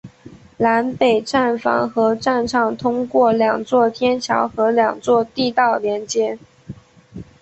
南北站房和站场通过两座天桥和两座地道连接。